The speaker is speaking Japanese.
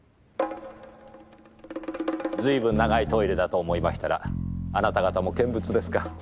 随分長いトイレだと思いましたらあなた方も見物ですか？